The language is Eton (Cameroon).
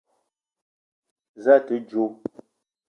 Za a te djo?